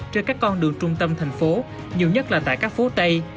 trên các con đường trung tâm thành phố nhiều nhất là tại các phố tây